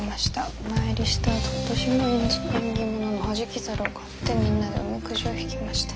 お参りしたあと今年の縁起物のはじき猿を買ってみんなでおみくじを引きました。